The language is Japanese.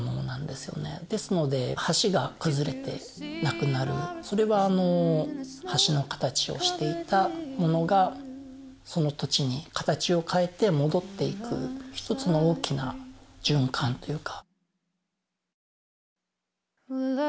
ですので橋が崩れてなくなるそれは橋の形をしていたものがその土地に形を変えて戻っていく一つの大きな循環というか。